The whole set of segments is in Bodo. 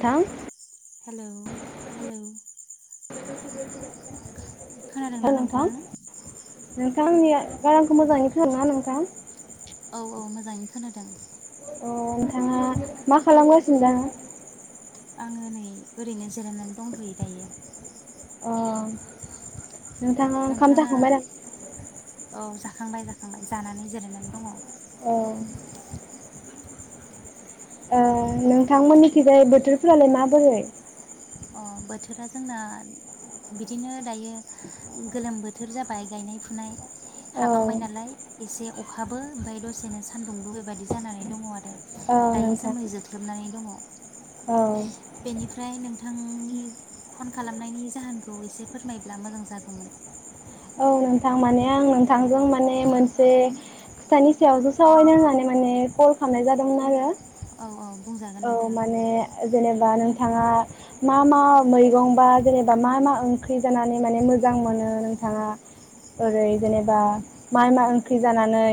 थां हेलौ हेलौ। [inaudible] खोनादों ना नोंथाङा? नोंथाङा आंनि गारांखौ मोजाङै खोनादोंना नोंथां? औ औ मोजाङैनो खोनादों। अ नोंथाङा मा खालामगासिनो दां? आङो नै ओरैनो जिरायनानै दंथ'यो दायो। अ नोंथाङा ओंखाम नोंथाङा जाखांबायदां? औ जाखांबाय जाखांबाय जानानै जिरायनानै दङ'। अ अ नोंथांमोननिखिजाय बोथोरफोरालाय माबोरै? अ बोथोरा जोंना बिदिनो दायो गोलोम बोथोर जाबाय गायनाय फुनाय औ हाबांबाय नालाय। एसे अखाबो ओमफाय दसेनो सान्दुंबो बेबायदि जानानै दङ आरो औ दायो नोंथां जोमै जोख्लोबनानै दङ'। औ बेनिफ्राय नोंथांनि फन खालामनायनि जाहोनखौ एसे फोरमायोब्ला मोजां जागौमोन। औ नोंथां माने आं नोंथांजों माने मोनसे खोथानि सायावसो सावरायनो होननानै माने कल खालामनाय जादोंमोन आरो औ औ बुंजागोन औ नोंथां। माने जेनेबा नोंथाङा मा मा मैगं बा जेनेबा मा मा ओंख्रि जानानै माने मोजां मोनो नोंथाङा ओरै जेनेबा मा मा ओंख्रि जानानै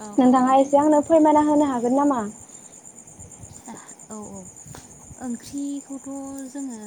औ नोंथाङा एसे आंनो फोरमायना होनो हाग गोन नामा? औ औ। ओंख्रिखौथ' जोङो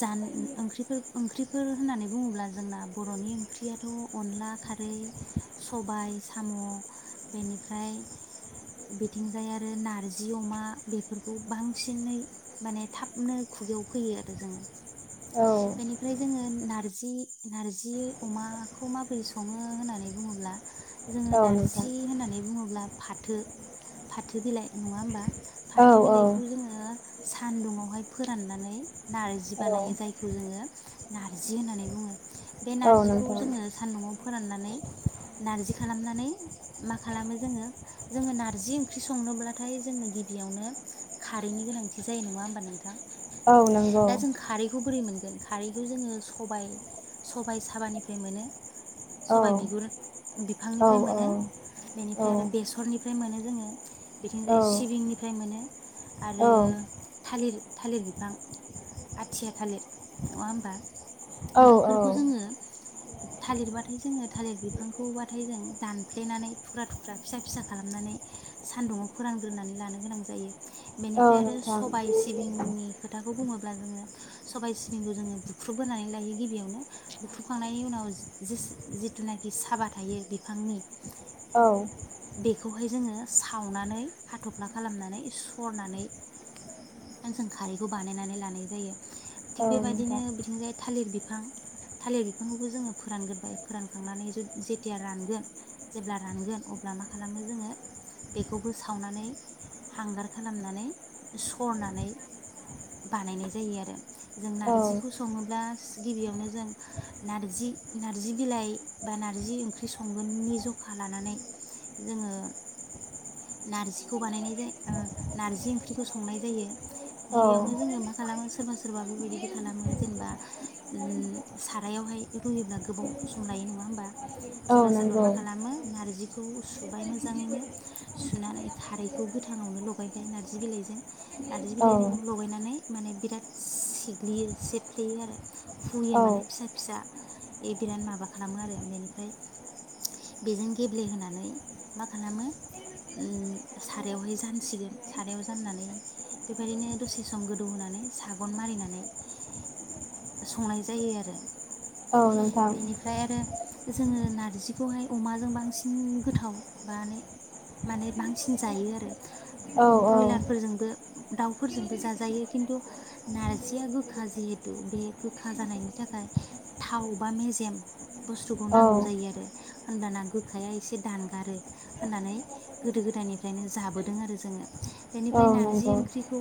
जान ओंख्रिफोर ओंख्रिफोर होननानै बुङोब्ला जोंना बर'नि ओंख्रियाथ' अनला खारै, सबाय, साम' बेनिफ्राय बिथिंजाय आरो नारजि अमा बेफोरखौ बांसिनै माने थाबनो खुगायाव फैयो। दो जोङो औ बेनिफ्राय जोङो नारजि नारजि अमाखौ माबोरै सङो होननानै बुङोब्ला जोङो औ नोंथां नारजि होननानै बुङोब्ला फाथो फाथो बिलाइ नङा होमबा औ फाथै औ बिलाइखौ जोङो सानदुंआवहाय फोराननानै नारजि बानायो औ जायखौ जोङो नारजि होननानै बुङो। बे औ नारजिखौ नोंथां जोङो सान्दुंआव फोराननानै नारजि खालामनानै मा खालामो जोङो जोङो नारजि ओंख्रि संनोब्लाथाय जोंनो गिबियावनो खारैनि गोनांथि जायो। नङा होमबा नोंथां? औ नंगौ दा जों खारैखौ बोरै मोन गोन खारै जोंङो सबाय सबाय साबानिफ्राय मोनो। औ सबाय बिगुर बिफां औ निफ्राय औ मोनो औ बेनिफ्राय बेसरनिफ्राय मोनो जोङो। बेथिंजाय सिबिंनिफ्राय मोन आरो औ थालिर थालिर बिब फां आथिया थालिर नङा होमबा औ बैफोरखौ जोङो थालिरबाथाय जोङो थालिर बिफांखौबाथाय जों दानफ्लेनानै थुख्रा थुख्रा फिसा फिसा खालामनानै सानदुङाव फोरानग्रोनानै लानो गोनां जायो। औ बेनिफ्रा ओफ्राय आरो नोंथां सबाय सिबिंनि। बेखौ बुङोब्ला जोङो सबाय सिबिंखौ जोङो बुख्रुब ग्रोनानै लायो गिबियावनो बुख्रुबखांनायनि उनाव जिस जितुनाकि साबा थायो बिफांनि औ बेखौहाय जोङो सावनानै हाथ'फ्ला खालामनानै सरनानै ओन जों खारैखौ बानायनानै लानाय जायो। थिग औ बेबायदिनो नोंथां बिथिं जाय थालिर बिफां थालिर बिफांखौबो जोङो फोरानग्रोबाय फोरानखांनानै जुत जेतिया रानगोन जेब्ला रानगोन अब ब्ला मा खालामो जोङो बेखौबो सावनानै हांगार खालामनानै सरनानै बानायनाय जायो आरो। जों औ नारजिखौ सङोब्ला गिबियावनो जों नारजि नारजि बिलाइ बा नारजि ओंख्रि संगोननि जखा लानानै। जोङो नारजिखौ बानायनाय जाय ओ नार्जि ओंख्रिखौ संनाय जायो। औ गिबियावनो जोङो मा खालामोस सोरबा सोरबा बेबायदिबो खालामो जेनबा उम सारायावहाय रुयोब्ला गोबाव सम लायो नङा होमबा? सोरबा सोरबा नंगौ मा खालामो नारजि बेखौ सुबाय मोजाङैनो सुनानै खारैखौ गोथाङावनो लगायबाय नारजि बिलाइजों। नार्जि औ बिलाइजों लगायनानै। माने बिराद सिग्लियो सेफ्लेयो आरो औ फुयो माने फिसा फिसा। ए बिराद माबा खालामो आरो बेनिफ्राय बेजों गेब ब्लेहोनानै मा खालामो ओ सारायावहाय जानसिगोन सारायाव जाननानै बेबायदिनो दसे सम गोदौहोनानै सागन मारिनानै संनाय जायो आरो। औ नोंथां। बेनिफ्राय आरो जोङो नारजिखौहाय अमाजों बांसिन गोथाव बाने माने बांसिन जायो आरो। औ ब्रयलारफोरजोंबो दाउफोरजोंबो जाजायो खिन्थु नारजिया गोखा जिहेथु। बे गोखा जानायनि थाखाय थाव बा मेजेम बुस्थुखौ औ नांगौ जायो आरो। होमबाना गोखाया एसे दानगारो होननानै गोदो गोदायनिफ्रायनो जाबोदों आरो जोङो। औ बेनिफ्राय नारजि नंगौ ओंख्रिखौ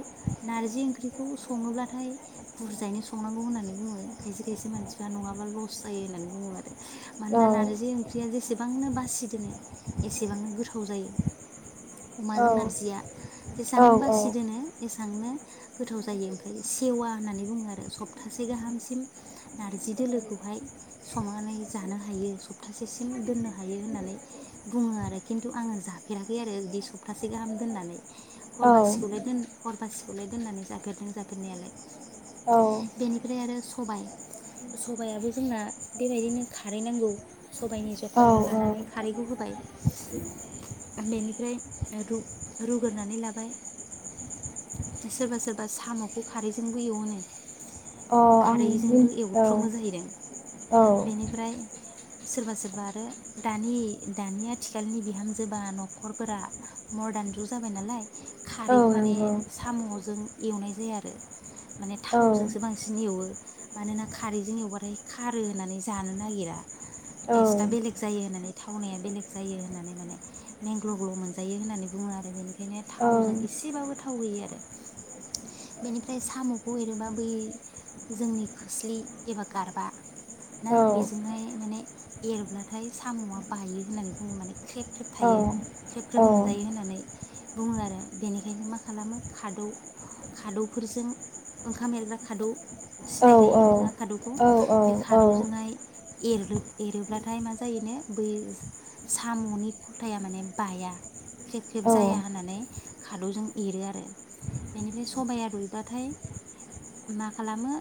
नारजि ओंख्रिखौ सङोब्लाथाय बुरजायैनो संङ संनांगौ होननानै बुङो खायसे खायसे मानसिफ्रा नङाबा लस जायो होननानै बुङो आरो औ मानोना नारजि ओंख्रिया जेसेबांनो बासिदोनो एसेबांनो गोथाव जायो। औ अमाजों नारजिया औ जेसेबांनो बासि दोनो एसांनो गोथाव जायो ओमफ्राय सेवा होननानै बुङो आरो सब। प्तासे गाहामसिम नारजि दोलोखौहाय संनानै जानो हायो सप्तासेसिम दोननो हायो होननानै बुङो आरो खिन्थु आङो जाफेराखै आरो बिदि सप्तासे गाहाम दोननानै। हर बासिखौलाय दोन हर बासि। खौलाय दोननानै जाफेरदों जाफेरनायालाय। औ। बेनिफ्राय आरो सबाय सबायाबो जोंना बेबायदिनो खारै नांगौ। सबायाइनि जखा लानानै खारैखौ होबाय। बेनिफ्राय रु रुगोरनानै लाबाय सोरबा सोरबा साम'खौ खारैजोंबो एवोनो। अ आं मिन खारैजोंबो औ एवथ्रमो जाहैदों औ बेनिफ्राय सोरबा सोरबा आरो दानि दानि आथिखालनि बिहामजोबा न'खरफोरा मदार्न जुग जाबाय नालाय औ खारैखौ माने नंगौ साम'जों एवनाय जाया आरो माने औ थावजोंसो बांसिन एवो मानोना खारैजों एवबाथाय खारो होननानै जानो नागिरा टेस्टआ औ बेलेग जायो होननानै थावनाया बेलेग जायो होननानै माने मेंग्ल' ग्ल' मोनजायो होननानै बुङो आरो बेनिखायनो औ थावजों एसेबाबो थाव थाव होयो आरो बेनिफ्राय साम'खौ एरोबा बै जोंनि खोस्लि एबा गारबा ना बेजोंहाय माने एरब्लाथाय साम'आ बायो होननानै बुङो माने ख्रेब ख्रेब थायो ख्रेब ख्रेब मोनजायो होननानै बुङो आरो बेनिखायनो मा खालामो खादौ खादौफोरजों ओंखाम एरग्रा खारदै सिनायखायो नोंथाङा खादौखौ बे औ खाजोंहाय [unintelligible] एरलोब एरोब्लाथाय मा जायोनो बै साम'नि खलथाया माने बाया ख्रेब ख्रेब जाया औ होननानै खादौजों एरो आरो बेनिफ्राय सबाया रुइबाथाय मा खालामो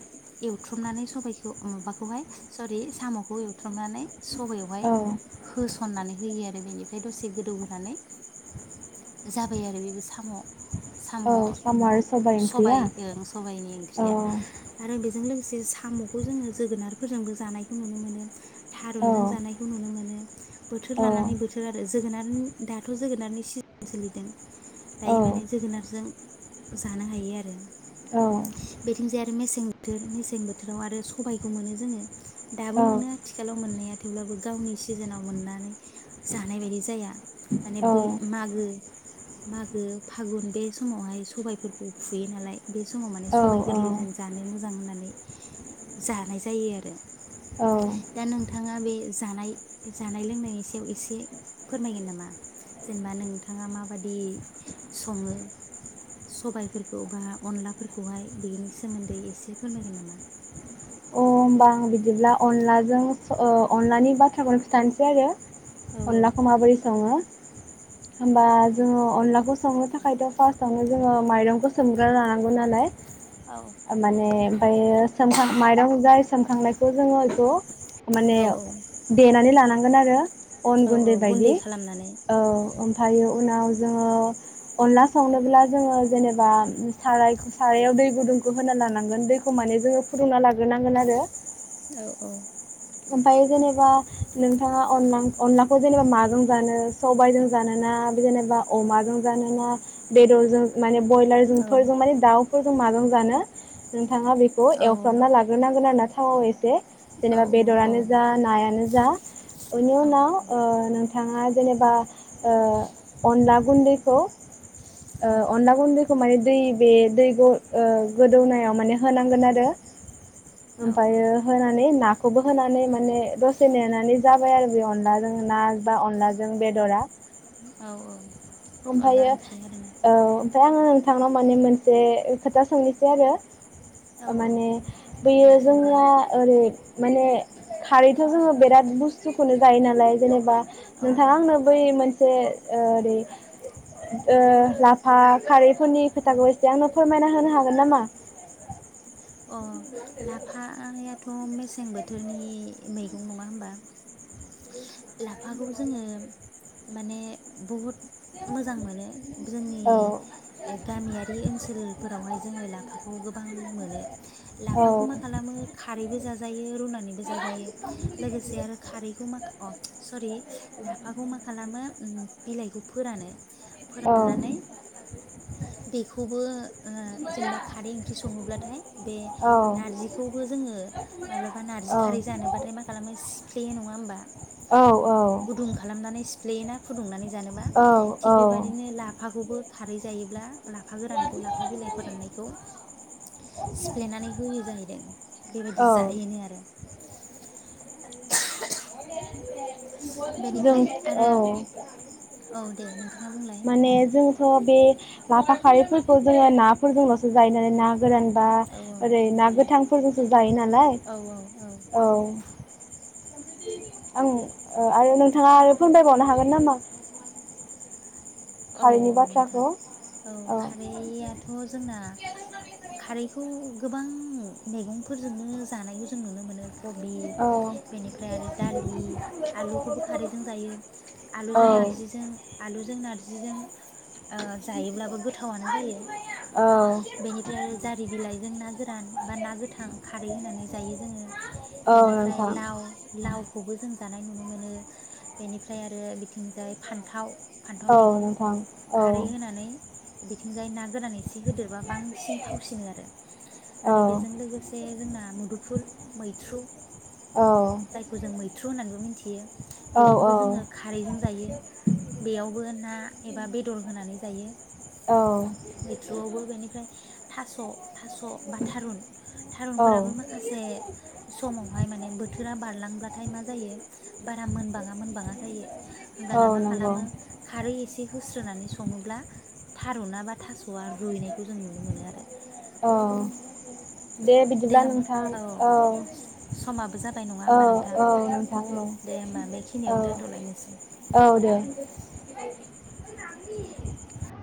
एवथ्रमनानै सबाइखौ माबाखौहाय सरि साम'खौ एवथ्रमनानै सबयावहाय औ होसननानै होयो आरो बेनिफ्राय दसे गोदौ होनोनानै जाबाय आरो बेबो साम' साम' औ साम' आरो ओंख्रिया सबाय ओं सबायनि ओं औ ओंख्रिया आरो बेजों लोगोसे साम'खौ जोङो जोगोनारफोरजोंबो जानायखौ नुनो मोनो औ थारुनजों जानायखौ नुनो मोनो बोथोर औ लानानै बोथोर आरो जोगोनार दाथ' जोगोनारनि सिजोन सोलिदों औ दायो माने जोगोनारजों जानो हायो आरो औ बेथिंजाय आरो मेसें बोथोर मेसें बोथोराव आरो सबायखौ मोनो जोङो दाबो मोनो आथिखालाव मोननाया थेवब्लाबो गावनि सिजोनाव मोननानै जानाय बायदि जाया माने बै मागो मागो फागुन बे समावहाय सबायाइफोरखौ फुयो नालाय बे समाव माने सबाइ औ औ गोरलैजों जानो मोजां मोजां होननानै जानाय जायो आरो अ दा नोंथाङा बे जानाय लोंनायनि सायाव एसे फोरमायगोन नामा जेनेबा नोंथाङा माबादि सङो सबायफोरखौ बा अनलाफोरखौहाय बेनि सोमोन्दै एसे फोरमायगोन नामा? अ होमबा आं बिदिब्ला अनलाजों ओ अनलानि बाथ्राखौनो खिथानोसै आरो औ अनलाखौ माबोर सङो? होमबा जोङो अनलाखौ संनो थाखायथ फास्तआवनो जोङो माइरंखौ सोमग्रोना लानांगौ नालाय माने ओमफायो‌ सोमखां माइरं जा सोमखांनायखौ जोंङो [unintelligible] माने औ देनानै लानांग गोन आरो अन औ औ गुन्दै बायदि खालामनानै औ अन ओमफायो उनाव जोङो अनला सावनोब्ला जोङो जेनेबा सारायखौ सारायाव दै गुदुंखौ होना लानांगोन दैखौ माने जोङो फुदुंना लाग्रोनांगोन आरो। औ औ। ओमफाय जेनेबा नोंथाङा‌ अनलांखो अनलाखो‌ जेनेबा माजों जानो सबायजों जानोना जेनेबा अमाजों जानोना बेदरजों माने बयलार जों औ फोरजों माने दाउ फोर जों माजों जानो नोंथाङा नोंथाङा बेखौ औ एवफ्रामना लाग्रोनांगोन आरो ना थावआव एसे औ जेनेबा औ बेदरानो जा नायानो जा इनि उनाव ओ‌ नोंथाङा जेनेबा ओ अनला गुन्दैखौ ओ अनला गुन्दैखौ माने दै बे दै ग ओ गोदौनायाव माने होनांगोन आरो ओमफायो होनानै नाखो खौबो होनानै माने दसे नेनानै जाबाय आरो बे अनलाजों ना बा अनलाजों बेदरा औ औ अनला ओंख्रि आरोना थांनाव माने मोनसे खोथा सोंनिसै आरो औ औ माने दे बैयो सोंजागोन [unintelligible] ओरै माने खारैखो जोङो बेराद बुस्थुखौनो जायो नालाय जेनेबा औ नोंथाङा आंनो बै मोन से ओदे ओ लाफा खारै फोनि औ खोथाखौ एसे आंनो फोरमायना होनो हागोन नामा अ लाफा आंनियाथ मे सें बोथोरनि मै नङा होमबा लाफाखौ जोङो माने बहुत मोजां मोनो जोंनि औ गामियारि ओनसोलफोरावहाय जोङो लाफाखौ गोबां मोनो औ लाफाखौ मा खालामो खारैबो जाजायो रुनानैबो जाजायो लोगोसे आरो खारैखौ मा अ सरि लाफाखौ मा खालामो अम बिलायखौ फोरानो औ फोराननानै बेखौबो ओ जेनबा खारै ओंख्रि सङोब्लाथाय नारजिखौबो जोङो माब्लाबा औ नारजि खारै जानोबाथाय मा खालामो फ्लेयो नङा होमबा औ गुदुं खालामनानै सिफ्लेयोना फुदुंनानै जानोबा औ थिग औ बेबायदिनो लाफाखौबो खारै जायोब्ला लाफा गोरानखौ लाफा बिलाइ फोराननायखौ सिफ्लेनानै होयो जाहैदों बेबायदि औ जायोनो आरो। [inaudible] जों बेनिफ्राय आरो औ औ दे नोंथाङा बुंलाय माने जोंथ बे लाफा खारैफोरखौ जोङो नाफोरजोंलसो जायो नालाय ना गोरानबा औ औ ओरै ना गोथांफोरजोंसो जायो नालाय औ। आं ओ आरो नोंथाङा आरो फोरमायबावनो हागोन नामा? औ खारैनि औ नोंथां बाथ्राखौ औ खारैआथ जोंना खारैखौ गोबां मेगंफोरजोंनो जानायखौ जों नुनो मोनो कबि औ बेनिफ्राय आरो दालि आलुखौबो खारैजों जायो आलुजों औ नारजिजों आलुजों नारजि जिजों ओ जायोब्लाबो गोथावानो जायो बेनिफ्राय आरो जारि बिलाइजों ना गोरान बा ना गोथां खारै होनानै जायो जोङो औ बेनिफ्राय नोंथां लाव लावखौबो जों जानाय नुनो मोनो बेनिफ्राय आरो बिथिंजाय फान्थाव फान्थाव मै औ नोंथां औ। बिथिंजाय ना गोरान एसे होदेरबा बांसिन थावसिनो आरो आरो औ बेजों लोगोसे जोंना मुदुफुल मैथ्रु औ जायखौ जों मैथ्रु होननानैबो मिथियो। हायो। औ बेखौबो जोङो खारैजों जायो बेयावबो ना। एबा बेदर होनानै जायो औ मैथ्रुआवबो बेनिफ्राय। थास। थास बा थारुन औ थारुनफोराबो माखासे समावहाय माने बोथोरा बारलांब्लाथाय मा जायो बारा मोनबाङा मोनबाङा जायो औ होमब्लाना मा नंगौ खालामो खारै। होस्रोनानै संङोब्ल थारुना माने। थासआ रुइनायखौ जों नुनो मोनो आरो। औ। दे बिदिब्ला नोंथां औ समाबो जाबाय नङा औ होमबा नोंथां औ नोंथां दे होमबा औ बेखिनियावनो दोनथ'लायनोसै औ औ दे। [inaudible]